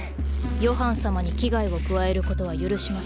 ヨハン様に危害を加える事は許しません。